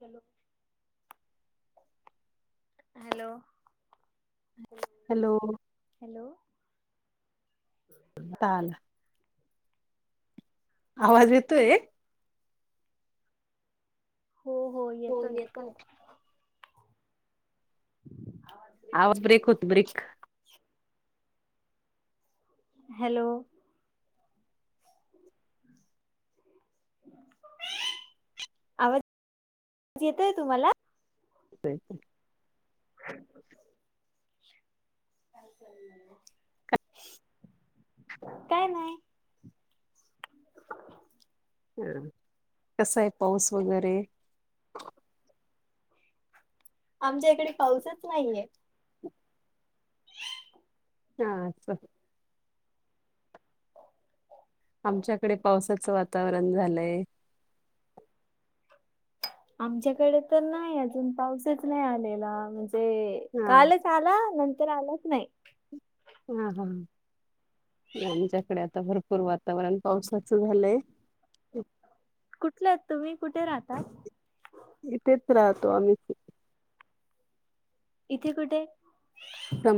चलो. Hello. Hello. Hello. आता आला. आवाज येतोय? हो. येतोय. आवाज ब्रेक होतो, ब्रेक. हॅलो. आवाज येतोय तुम्हाला? [unintelligible] ह काय नाही. ह, कस आहे पाऊस? वगैरे. आमच्या इकडे पाऊसच नाहीये. हा. आमच्याकडे पावसाचं वातावरण झालंय. आमच्या आमच्याकडे तर नाही अजून, पाऊसच नाही आलेला, म्हणजे हा कालच आला. नंतर आलाच नाही. हा हा. आमच्याकडे आता भरपूर वातावरण पावसाचं झालंय. कुठले अहात तुम्ही? कुठे राहता? इथेच राहतो आम्ही. इथे कुठे?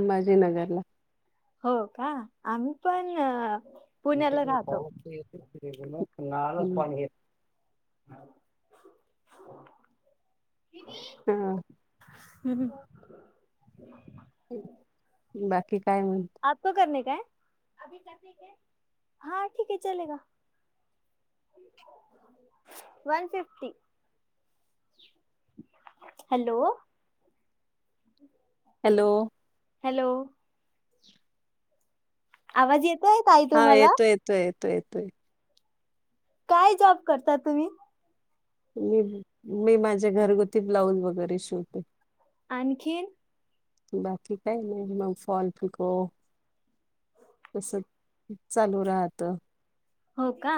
बाजेनगरला. हो का, आम्ही पण पुण्याला आच्याकडे राहतो पाऊस [unintelligible] नळालच पाणी येत ह. हा [inaudible] हूं. बाकी काय? म आपको करनेका का है. हा, ठीक आहे चलेगा. One fifty. Hello. Hello. Hello. आवाज येतोय येतो ताई का? हा, तुम्हाला येतोय, येतो, येतोय. काय जॉब करता तुम्ही? मी मी माझे घरगुती ब्लाऊज वगैरे शिवते. आणखीन. बाकी काही नाही, मग फॉल, पिको. तस चालू राहत. हो का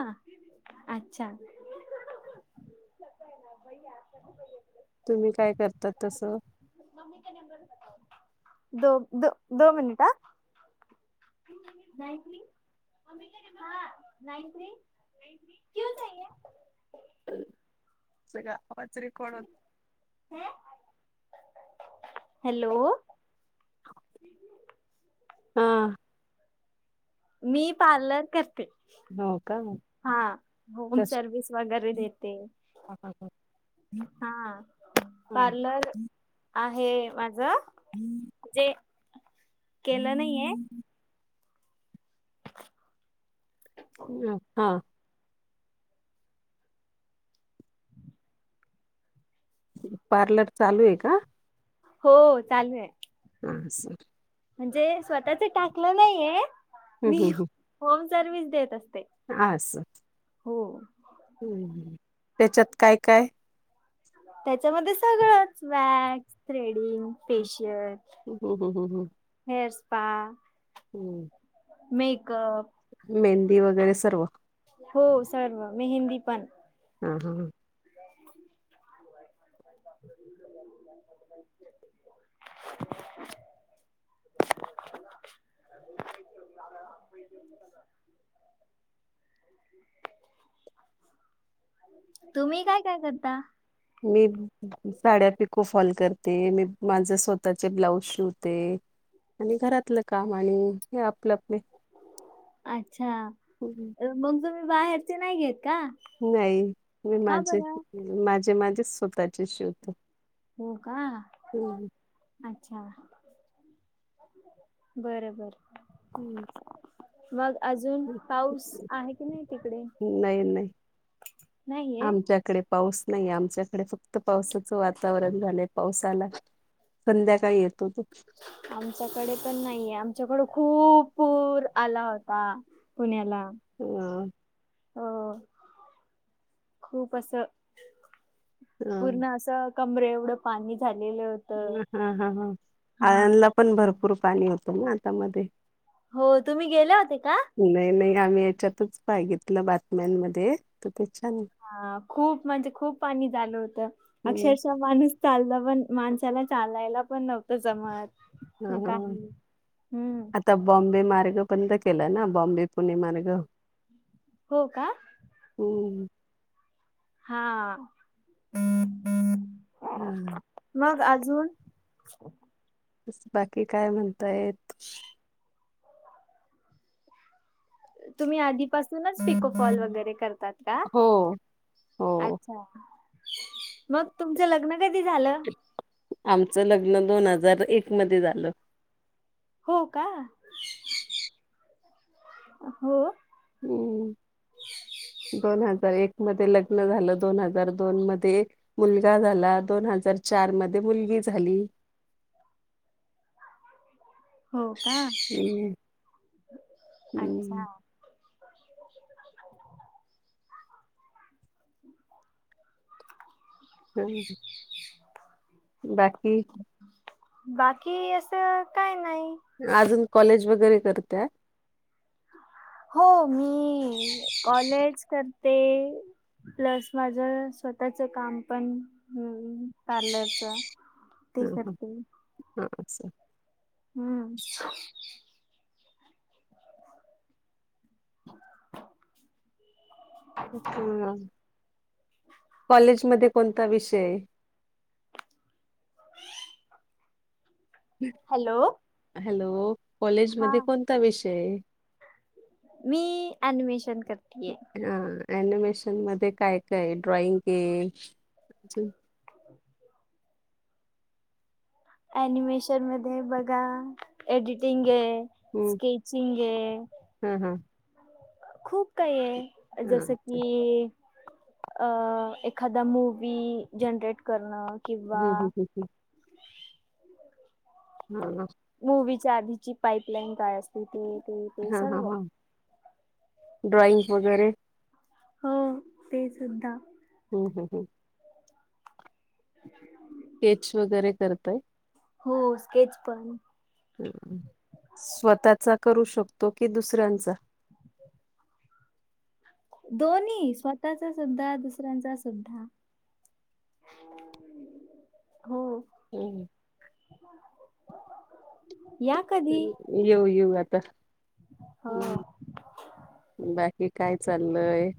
अच्छा. य. तुम्ही काय करताात तसं. दो द दो मिनिटा जायत्री. नान थ्री ना किे का तरी कोणत? हॅलो. हा. मी पार्लर करते. हो का हा होम सर्विस वगैरे देते. अा हा. हा पार्लर आहे माझ जे केलं नाहीये. हा. पार्लर चालू आहे का? हो चालू आहे. हां सर. म्हणजे स्वतःच टाकलं नाहीये हम्म, मी होम सर्व्हस देत असते. अस. हो. त्याच्यात काय काय! त्याच्यामध्ये सगळंच वॅक्स थ्रेडिंग फेशियल हम्म, हम्म, हम्म, हम्म. हेअर स्पा मेकअप मेहंदी वगैरे सर्व हो सर्व मेहंदी पण. हा हा. [unintelligible] तुम्ही काय काय करता? मी. साड्या पिको फॉल करते, मी माझे स्वतःचे ब्लाऊज शिवते. आणि घरातलं काम आणि हे आपलं आपले अच्छा. हम्म. मग तुम्ही बाहेरचे नाही घेत का? नाही मी का माझे बरं? माझे माझेच स्वतःचे शिवते. हो का? हम्म. अच्छा बर बर. हम्म. मग अजून पाऊस आहे की नाही तिकडे. नाही नाही नाही. आमच्याकडे पाऊस नाही आमच्याकडे फक्त पावसाचं वातावरण झालंय पावसाला संध्याकाळी येतो तो आमच्याकडे पण नाहीये आमच्याकडे खूप पूर आला होता. पुण्याला ह. अ खूप असं अ पूर्ण असं. कमरे एवढं पाणी झालेले. हा ह ह आळणला पण भरपूर पाणी होतं ना आता मधे हो तुम्ही गेले होते का? नाही नाही आम्ही याच्यातच बघितलं बातम्यांमध्ये तर ते छान हा खूप म्हणजे खूप पाणी झालं होतं, अक्षरशः माणूस चालन पण, माणसाला चालायला पण नव्हतं जमत न ह काही. हम्म. आता बॉम्बे मार्ग बंद केला ना, बॉम्बे-पुणे मार्ग? हो का? हम्. हा. हा. मग अजून? [inaudible] बस बाकी काय म्हणतायेत? तुम्ही आधीपासूनच पिकोफॉल वगैरे करतात का? हो हो अच्छा, मग तुमचं लग्न कधी झालं? आमचं लग्न दोन हजार एक मध्ये झालं. हो का? हो? हम्म. दोन हजार एक मध्ये लग्न झालं. दोन हजार दोन मध्ये एक मुलगा झाला, दोन हजार चार मध्ये मुलगी झाली. हो का? हम्म अच्छा. हम्म [inaudible] हम्म. [inaudible] बाकी? बाकी असं काय नाही. अजून कॉलेज वगैरे करताय? हो मी कॉलेज करते. प्लस माझ स्वतःच काम पण हम्म पार्लरच ते हम् हम् करते हम् असं. हम्म. हं... ट.. च.. [inaudible] हं, कॉलेज मध्ये कोणता विषय? Mummy hello? कॉलेज हा मध्ये कोणता विषय हे? मी एनिमेशन करते. हा एनिमेशन मध्ये काय काय ड्रॉइंग अजून? अनिमेशन मध्ये बघा एडिटिंग हे, स्केचिंग हे. हम हम. खूप काही आहे, हा जसं की. अ एखादा मूवी जनरेट करणं. किंवा हम हम ह ह. हम. मूवीच्या आधीची पाईपलाईन काय असते ते ते. ते हा हा सर्व हा. ड्रॉइंग वगैरे हो. ते सुद्धा. हम् हम हम. स्केच वगैरे करताय? हो, स्केच पण. स्वतःचा करू शकतो कि दुसऱ्यांचा? दोन्ही स्वतःचा सुद्धा दुसऱ्यांचा सुद्धा. हो हुं.. हुं [unintelligible] [unintelligible] कधी येऊ येऊ आता हो [unintelligible] बाकी काय चाललंय?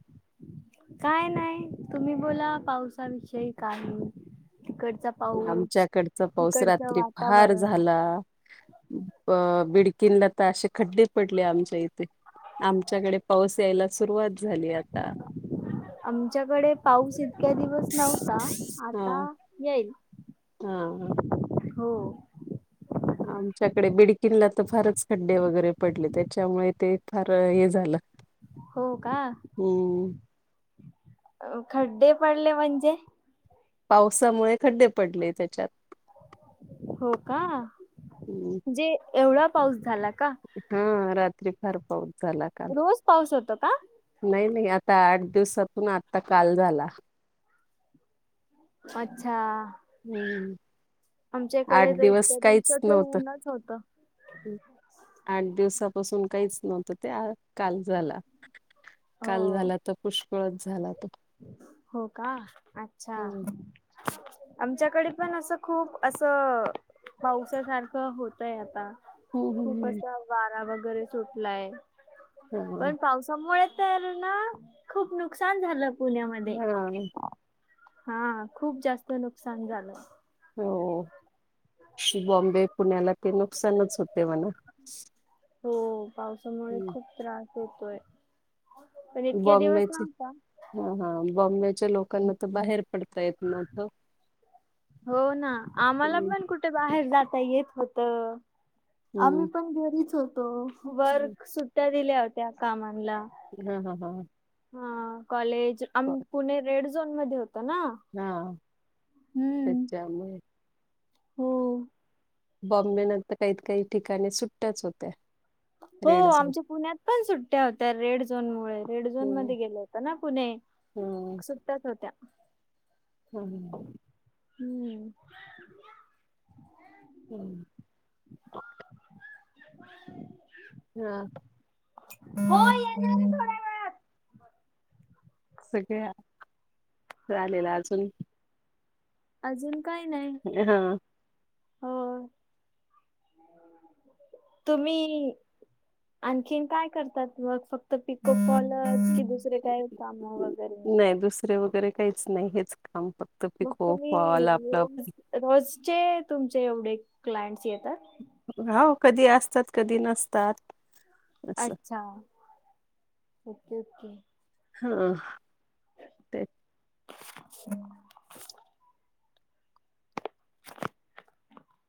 काय नाय... तुम्ही बोला पावसाविषयी काही... तिकडचा पाऊस आमच्याकडचा पाऊस तिकडचं रात्री फार वातावरण झाला अ... बिडकींनला तर अशे खड्डे पडले आमच्या इथे आमच्याकडे पाऊस यायला सुरुवात झाली आता आमच्याकडे पाऊस इतक्या दिवस नव्हता, आता येईल हा हा हो आमच्याकडे बिडकीनला तर फारच खड्डे वगैरे पडले त्याच्यामुळे ते... फार हे झालं [unintelligible] हो का? हम्म खड्डे पडले म्हणजे? पावसामुळे खड्डे पडले त्याच्यात हो का? हम्म. म्हणजे, एवढा पाऊस झाला का? हां... रात्री फार पाऊस झाला रोज पाऊस होतो का? नाई नाई... आता आठ दिवसातून, आता काल झाला अच्छा हम्म. आमच्याकडे आठ तर इतक्या दिवस काहीच दिवसाचं नव्हतं ऊनच होतं आठ दिवसापासून काहीच नव्हतं, ते काल झाला काल हो झाला तर पुष्कळच झाला तो हो का... अच्छा हम्म. आमच्याकडे पण, असं... खूप असं पाऊसासारखं होतय आता खूप हम्म असा वारा वगैरे सुटलाय... हम्म पण पावसामुळे तर ना खूप नुकसान झालं पुण्यामध्ये. हा हा... खूप जास्त नुकसान झालं हो... बॉम्बे, पुण्याला ते नुकसानच होते म्हणा हो... पावसामुळे हम्म. खूप त्रास होेतोय बॉम्बेची... हा... हा बॉम्बेच्या लोकांना तर बाहेर पडता येत न्हवतं हो ना... आम्हाला हम्म पण कुठे बाहेर जाता येत होतं आम्ही हम्म पण घरीच होतो. हा वर्क... सुट्ट्या दिल्या होत्या कामांना हा हा हा हा... कॉलेज आम... पुणे रेड झोन मध्ये होतं ना... हुं त्यामुळे बॉम्बेना तर... काहीत ना काही ठिकाणी सुट्ट्याच होत्या हो.. रेड झोन आमच्या पुण्यात पण, सुट्टया हो त्या रेड झोन मुळे. रेड झोन हम्म मध्ये गेलं होतं ना पुणे... हम्म सुट्टयाच होत्या [unintelligible] हुं [unintelligible] [inaudible] हा हो वेळात. सगळ्या झालेला अजून अजून काय नाही हा हो तुम्ही आणखीन काय करतात व फक्त पिकप कॉलस कि दुसरे काय काम वगैरे दुे वगैरे काहीच नाहीच काम फक्त मग तुम्ही पिकोवाला आपलं रोज रोजचे तुमचे एवढे क्लायंट्स येतात हो कधी असतात कधी नसतात असं अच्छा ओके ओके हा ते अ [unintelligible]